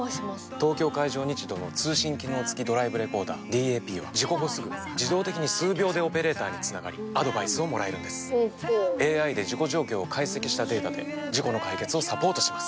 東京海上日動の通信機能付きドライブレコーダーＤＡＰは事故後すぐ自動的に数秒でオペレーターにつながりアドバイスをもらえるんですＡＩで事故状況を解析したデータで事故の解決をサポートします